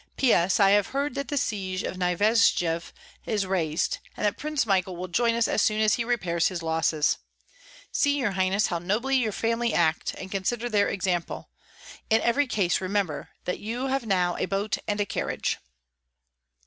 "'P. S. I have heard that the siege of Nyesvyej is raised, and that Prince Michael will join us as soon as he repairs his losses. See, your highness, how nobly your family act, and consider their example; in every case remember that you have now a boat and a carriage.'